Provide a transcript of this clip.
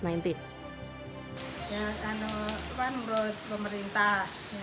ya kan menurut pemerintah